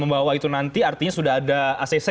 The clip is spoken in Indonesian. membawa itu nanti artinya sudah ada acc